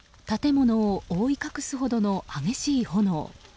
建物を覆い隠すほどの激しい炎。